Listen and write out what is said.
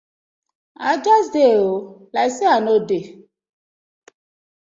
I just dey oo, like say I no dey.